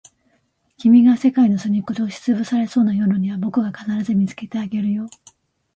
君が世界のすみっこで押しつぶされそうな夜には、僕が必ず見つけてあげるよ。